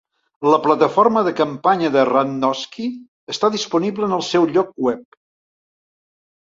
La plataforma de campanya de Radnofsky està disponible en el seu lloc web.